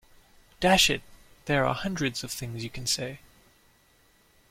Dash it, there are hundreds of things you can say.